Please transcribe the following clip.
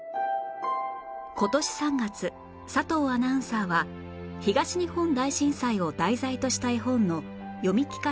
今年３月佐藤アナウンサーは東日本大震災を題材とした絵本の読み聞かせに挑戦